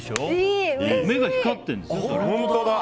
目が光ってるんです。